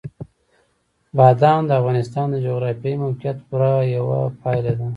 بادام د افغانستان د جغرافیایي موقیعت پوره یوه پایله ده.